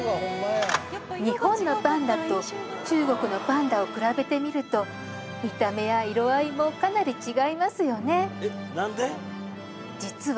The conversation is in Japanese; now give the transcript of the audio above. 日本のパンダと中国のパンダを比べてみると見た目や色合いもかなり違いますよね